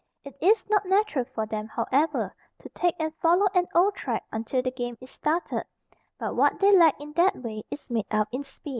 It is not natural for them, however, to take and follow an old track until the game is started, but what they lack in that way is made up in speed.